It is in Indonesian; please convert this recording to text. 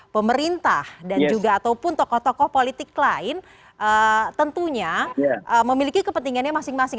pemerintah dan juga ataupun tokoh tokoh politik lain tentunya memiliki kepentingannya masing masing